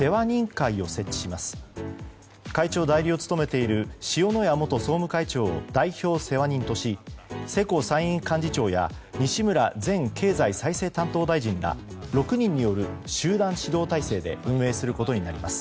会長代理を務めている塩谷元総務会長を代表世話人とし世耕参院幹事長や西村前経済再生担当大臣ら６人による集団指導体制で運営することになります。